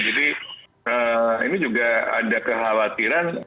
ini juga ada kekhawatiran